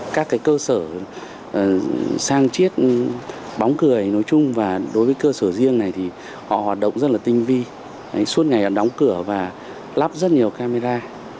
các cơ sở sang chiết bóng cười nói chung và đối với cơ sở riêng này thì họ hoạt động rất là tinh vi suốt ngày họ đóng cửa và lắp rất nhiều camera